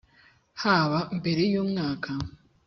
haba mbere y umwaka